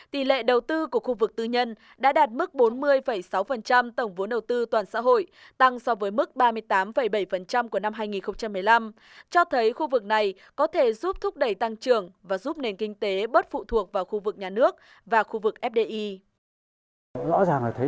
tỷ lệ đầu tư của khu vực tư nhân đã đạt mức bốn mươi sáu tổng vốn đầu tư toàn xã hội tăng so với mức ba mươi tám bảy của năm hai nghìn một mươi năm cho thấy khu vực này có thể giúp thúc đẩy tăng trưởng và giúp nền kinh tế bớt phụ thuộc vào khu vực nhà nước và khu vực fdi